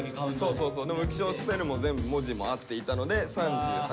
そうそうでも浮所はスペルも全部文字も合っていたので３８。